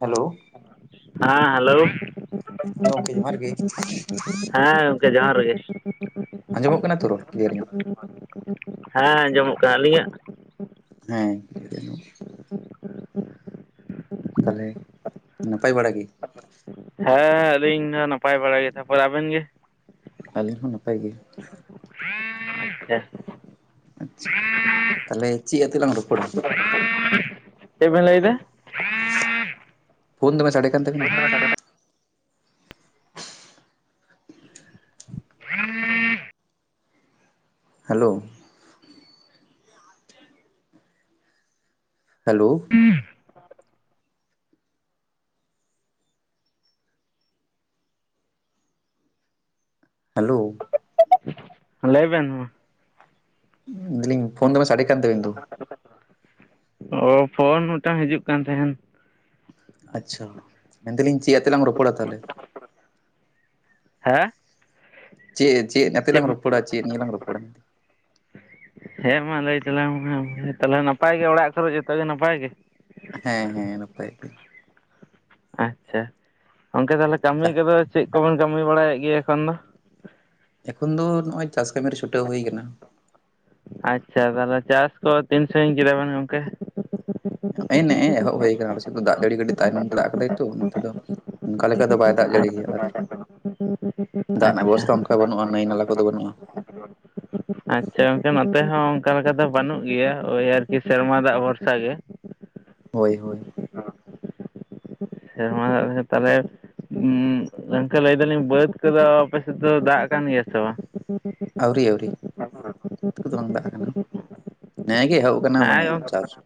Hello ᱦᱮᱸ hello, ᱦᱮᱸ ᱜᱚᱝᱠᱮ ᱡᱚᱦᱟᱨ ᱜᱮ ᱦᱮᱸ᱾ ᱡᱚᱦᱟᱨ ᱜᱮ᱾ ᱟᱸᱡᱚᱢᱚᱜ ᱠᱟᱱᱟ ᱛᱚ ᱨᱚᱲ ᱠᱞᱤᱭᱟᱨ ᱧᱚᱜ᱾ ᱦᱮᱸ ᱟᱸᱡᱚᱢᱚᱜ ᱠᱟᱱᱟ ᱟᱹᱞᱤᱧᱟᱜ᱾ ᱦᱮᱸ [inaudible] ᱛᱟᱦᱚᱞᱮ ᱱᱟᱯᱟᱭ ᱵᱟᱲᱟ ᱜᱮ᱾ ᱦᱮᱸ ᱟᱞᱤᱧ ᱫᱚ ᱱᱟᱯᱟᱭ ᱵᱟᱲᱟ ᱜᱮ ᱛᱟᱯᱚᱨᱮ ᱟᱵᱮᱱ ᱜᱮ᱾ ᱟᱹᱞᱤᱧ ᱦᱚᱸ ᱱᱟᱯᱟᱭ ᱜᱮ᱾ [inaudible] ᱟᱪᱪᱷᱟ ᱛᱟᱦᱚᱞᱮ ᱪᱮᱫ ᱟᱛᱮ ᱞᱟᱝ ᱨᱚᱯᱚᱲᱟ᱾ ᱮᱫ ᱵᱮᱱ ᱞᱟ. ᱭ ᱮᱫᱟ᱾ ᱯᱷᱳᱱ ᱫᱚᱢᱮ ᱥᱟᱰᱮ ᱠᱟᱱ ᱛᱟᱵᱤᱱ ᱫᱚ᱾ ᱦᱮᱞᱳ ᱦᱮᱞᱳ ᱦᱮᱸ ᱦᱮᱞᱳ ᱞᱟᱹᱭ ᱵᱮᱱ ᱢᱟ᱾ ᱢᱮᱱᱮᱫᱟᱞᱤᱧ ᱯᱷᱳᱱ ᱫᱚᱢᱮ ᱥᱟᱰᱮ ᱠᱟᱱ ᱛᱟᱵᱮᱱ ᱫᱚ᱾ ᱚ ᱯᱷᱳᱱ ᱢᱤᱫᱴᱟᱝ ᱦᱤᱡᱩᱜ ᱠᱟᱱ ᱛᱟᱦᱮᱱ᱾ ᱟᱪᱪᱷᱟ ᱢᱮᱱᱮᱫᱟᱞᱤᱧ ᱪᱮᱫ ᱟᱛᱮ ᱞᱟᱝ ᱨᱚᱯᱚᱲᱟ ᱛᱟᱦᱚᱞᱮ᱾ ᱦᱮᱸ ᱪᱮᱫ ᱪᱮᱫ ᱟᱛᱮ ᱞᱟᱝ ᱨᱚᱯᱚᱲᱟ ᱪᱮᱫ ᱱᱤᱭᱟᱹ ᱞᱟᱝ ᱨᱚᱯᱚᱲᱟ᱾ ᱦᱮᱸ ᱢᱟ ᱞᱟᱹᱭ ᱛᱟᱞᱟᱝ ᱟᱢ ᱜᱮ, ᱛᱟᱦᱞᱮ ᱱᱟᱯᱟᱭ ᱜᱮ ᱚᱲᱟᱜ ᱠᱚᱨᱮ ᱡᱚᱛᱚ ᱜᱮ ᱱᱟᱯᱟᱭ ᱜᱮ᱾ ᱦᱮᱸ ᱦᱮᱸ ᱱᱟᱯᱟᱭ ᱜᱮ᱾ ᱟᱪᱪᱷᱟ, ᱜᱚᱝᱠᱮ ᱛᱟᱦᱚᱞᱮ ᱠᱟᱹᱢᱤ ᱟᱪᱪᱷᱟ ᱠᱚᱫᱚ ᱪᱮᱫ ᱠᱚᱵᱮᱱ ᱠᱟᱹᱢᱤ ᱵᱟᱲᱟᱭᱮᱫ ᱜᱮᱭᱟ ᱮᱠᱷᱚᱱ ᱫᱚ᱾ ᱮᱠᱷᱚᱱ ᱫᱚ ᱱᱚᱜᱚᱭ ᱪᱟᱥ ᱠᱟᱹᱢᱤ ᱨᱮ ᱪᱷᱩᱴᱟᱹᱣ ᱦᱩᱭ ᱟᱠᱟᱱᱟ᱾ ᱟᱪᱪᱷᱟ ᱛᱟᱦᱚᱞᱮ ᱪᱟᱥ ᱠᱚ ᱥᱟᱸᱜᱤᱧ ᱠᱮᱫᱟ ᱵᱮᱱ ᱜᱚᱝᱠᱮ᱾ [inaudible] ᱮ ᱱᱮᱜᱼᱮ ᱮᱦᱚᱵ ᱦᱩᱭ ᱟᱠᱟᱱᱟ ᱟᱞᱮ ᱥᱮᱫ ᱫᱚ ᱫᱟᱜ ᱡᱟᱹᱲᱤ ᱠᱟᱹᱴᱤᱡ ᱛᱟᱭᱱᱚᱢ ᱛᱮ ᱫᱟᱜ ᱠᱟᱫᱟᱭ ᱛᱚ ᱱᱚᱛᱮ ᱫᱚ᱾ ᱚᱱᱠᱟ ᱞᱮᱠᱟ ᱫᱚ ᱵᱟᱭ ᱫᱟᱜ ᱡᱟᱲᱤ ᱜᱮᱭᱟ ᱟᱨ [inaudible] ᱫᱟᱜ ᱨᱮᱱᱟᱜ ᱵᱮᱵᱚᱥᱛᱷᱟ ᱚᱱᱠᱟ ᱵᱟᱹᱱᱩᱜᱼᱟ ᱱᱟᱹᱭ ᱱᱟᱞᱟ ᱠᱚᱫᱚ ᱵᱟᱹᱱᱩᱜᱼᱟ᱾ [inaudible] ᱟᱪᱪᱷᱟ ᱜᱚᱝᱠᱮ ᱱᱚᱛᱮ ᱦᱚᱸ ᱚᱱᱠᱟ ᱞᱮᱠᱟ ᱫᱚ ᱵᱟᱹᱱᱩᱜ ᱜᱮᱭᱟ ᱳᱭ ᱟᱨᱠᱤ ᱥᱮᱨᱢᱟ ᱫᱟᱜ ᱵᱷᱚᱨᱥᱟ ᱜᱮ᱾ ᱦᱳᱭ ᱦᱳᱭ᱾ ᱥᱮᱨᱢᱟ ᱫᱟᱜ [inaudible] ᱛᱟᱦᱚᱞᱮ᱾ ᱩᱜᱸ ᱜᱚᱢᱠᱮᱹ ᱞᱟᱹᱭ ᱫᱟᱞᱤᱧ ᱵᱟᱹᱫᱽ ᱠᱚᱫᱚ ᱟᱯᱮ ᱥᱮᱫ ᱫᱚ ᱫᱟᱜ ᱠᱟᱱ ᱜᱮᱭᱟ ᱥᱮ ᱵᱟᱝ? ᱟᱹᱣᱨᱤ ᱟᱹᱣᱨᱤ ᱵᱟᱹᱫᱽ ᱠᱚᱫᱚ ᱵᱟᱝ ᱫᱟᱜ ᱟᱠᱟᱱᱟ ᱱᱮᱜ-ᱮ ᱜᱮ ᱮᱦᱚᱵ ᱟᱠᱟᱱᱟ ᱢᱟᱱᱮ ᱦᱮᱸ ᱪᱟᱥ ᱜᱚᱝᱠᱮ ᱾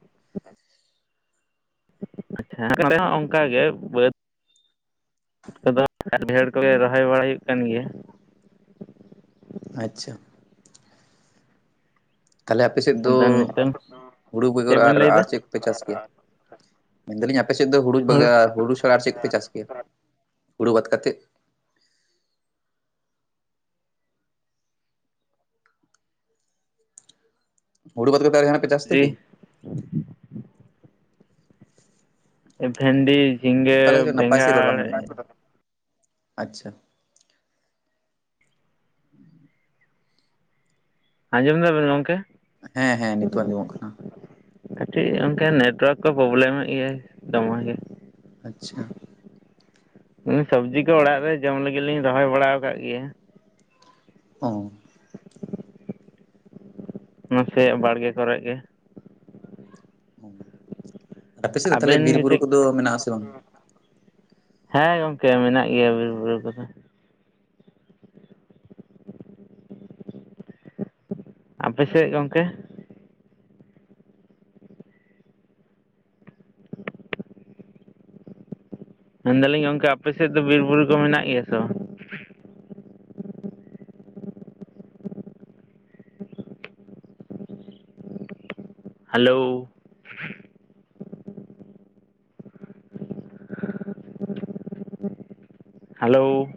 ᱟᱪᱪᱷᱟ [inaudible] ᱦᱚᱸ ᱚᱱᱠᱟ ᱜᱮ ᱵᱟᱹᱫᱽ ᱠᱚᱫᱚ ᱰᱷᱮᱨ ᱠᱚᱞᱮ ᱨᱚᱦᱚᱭ ᱵᱟᱲᱟᱭ ᱦᱩᱭᱩᱜ ᱠᱟᱱ ᱜᱮᱭᱟ ᱾ ᱟᱪᱪᱷᱟ ᱾ ᱛᱟᱦᱚᱞᱮ ᱟᱯᱮ ᱥᱮᱫ ᱫᱚ ᱟᱫᱚ ᱱᱤᱛᱚᱝ ᱦᱩᱲᱩ ᱵᱮᱜᱚᱨ ᱪᱮᱫ ᱟᱨ ᱵᱮᱱ ᱞᱟᱹᱭ ᱮᱫᱟ ᱟᱨ ᱪᱮᱫ ᱠᱚᱯᱮ ᱪᱟᱥ ᱜᱮᱭᱟ? ᱢᱮᱱᱫᱟᱞᱤᱧ ᱟᱯᱮ ᱥᱮᱫ ᱫᱚ ᱦᱩᱲᱩ ᱦᱳᱲᱳ ᱵᱟᱜᱟ ᱦᱩᱲᱩ ᱪᱷᱟᱲᱟ ᱟᱨ ᱪᱮᱫ ᱠᱚᱯᱮ ᱪᱟᱥ ᱜᱮᱭᱟ ᱦᱩᱲᱩ ᱵᱟᱫ ᱠᱟᱛᱮᱫ? ᱦᱩᱲᱩ ᱵᱟᱫ ᱠᱟᱛᱮ ᱟᱨᱚ ᱡᱟᱦᱟᱱᱟᱜ ᱯᱮ ᱪᱟᱥ ᱛᱮ ᱡᱤ ᱠᱤ? ᱵᱷᱮᱱᱰᱤ, ᱡᱷᱤᱸᱜᱟᱹ, ᱚᱠᱟ ᱞᱮᱠᱟ ᱪᱚ ᱱᱟᱯᱟᱭ ᱥᱮᱫ ᱨᱚᱲ ᱵᱮᱸᱜᱟᱲ ᱵᱟᱝ ᱾ ᱟᱸᱡᱚᱢᱚᱜ ᱠᱟᱱᱟ ᱟᱪᱪᱷᱟ ᱾ ᱟᱸᱡᱚᱢ ᱮᱫᱟ ᱵᱮᱱ ᱜᱚᱢᱠᱮ? ᱦᱮᱸ ᱦᱮᱸ ᱱᱤᱛᱚᱜ ᱟᱸᱡᱚᱢᱚᱜ ᱠᱟᱱᱟ ᱾ ᱠᱟᱹᱴᱤᱡ ᱚᱱᱠᱟ ᱱᱮᱴᱳᱣᱟᱨᱠ ᱠᱚ ᱯᱨᱚᱵᱞᱮᱢ ᱮᱫ ᱜᱮᱭᱟᱭ ᱫᱚᱢᱮ ᱜᱮ ᱾ ᱟᱪᱪᱷᱟ ᱾ ᱥᱚᱵᱡᱤ ᱠᱚ ᱚᱲᱟᱜ ᱨᱮ ᱡᱚᱢ ᱞᱟᱹᱜᱤᱫ ᱞᱤᱧ ᱨᱚᱦᱚᱭ ᱵᱟᱲᱟ ᱠᱟᱜ ᱜᱮᱭᱟ ᱾ ᱚ ᱾ ᱱᱟᱥᱮ ᱵᱟᱲᱜᱮ ᱠᱚᱨᱮ ᱜᱮ ᱾ ᱟᱯᱮ ᱥᱮᱫ ᱫᱚ ᱛᱟᱦᱞᱮ ᱟᱵᱮᱱ ᱵᱤᱨ ᱜᱮ ᱵᱩᱨᱩ ᱪᱮᱫ ᱠᱚᱫᱚ ᱢᱮᱱᱟᱜ ᱟᱥᱮ ᱵᱟᱝ? ᱦᱮᱸ ᱜᱚᱝᱠᱮ ᱢᱮᱱᱟᱜ ᱜᱮᱭᱟ ᱵᱤᱨ ᱵᱩᱨᱩ ᱠᱚᱫᱚ ᱾ ᱟᱯᱮ ᱥᱮᱫ ᱜᱚᱝᱠᱮ? ᱢᱮᱱᱫᱟᱞᱤᱧ ᱜᱚᱝᱠᱮ ᱟᱯᱮ ᱥᱮᱫ ᱫᱚ ᱵᱤᱨ ᱵᱩᱨᱩ ᱠᱚ ᱢᱮᱱᱟᱜ ᱜᱮᱭᱟ ᱥᱮ ᱵᱟᱝ? ᱦᱮᱞᱳ ᱾ ᱦᱮᱞᱳ ᱾